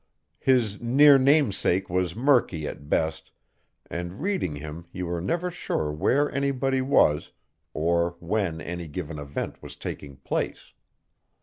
His near namesake was murky at best, and reading him you were never sure where anybody was, or when any given event was taking place.